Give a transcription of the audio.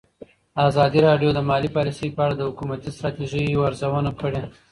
ازادي راډیو د مالي پالیسي په اړه د حکومتي ستراتیژۍ ارزونه کړې.